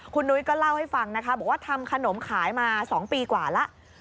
คุณนุ้ยก็เล่าให้ฟังนะคะบอกว่าทำขนมขายมา๒ปีกว่าแล้ว